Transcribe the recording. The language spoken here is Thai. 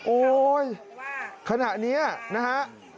โอ๊ยขณะนี้นะฮะ